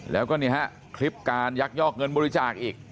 แล้วก็คลิปการยักษ์ยอกเงินบริจาคอีก